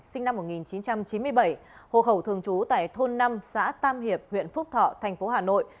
sinh năm một nghìn chín trăm chín mươi bảy hộ khẩu thường trú tại thôn năm xã tam hiệp huyện phúc thọ thành phố hà nội